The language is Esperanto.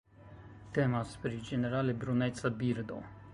Temas pri ĝenerale bruneca birdo.